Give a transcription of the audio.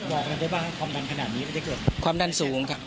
บอกได้ไหมครับความดันขนาดนี้ไม่ได้เกิดความดันสูงครับ